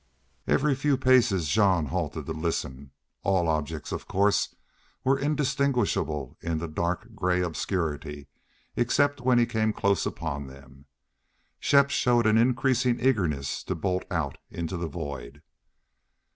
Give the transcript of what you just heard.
Every few paces Jean halted to listen. All objects, of course, were indistinguishable in the dark gray obscurity, except when he came close upon them. Shepp showed an increasing eagerness to bolt out into the void.